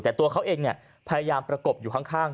แต่ตัวเขาเองพยายามประกบอยู่ข้าง